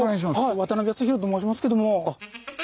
渡邊康弘と申しますけども。